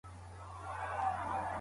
جینټیکي معاینات چېري ترسره کیږي؟